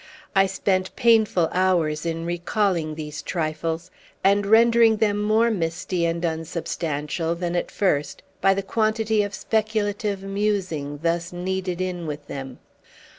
I spent painful hours in recalling these trifles, and rendering them more misty and unsubstantial than at first by the quantity of speculative musing thus kneaded in with them.